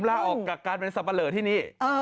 ผมลากออกกับการเป็นสับปะเหลอที่นี่